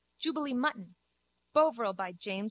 Jubilee mutton. Bovril, by James.